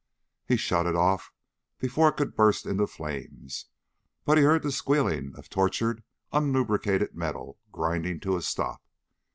He shut it off before it could burst into flames, but he heard the squealing of tortured, unlubricated metal grinding to a stop.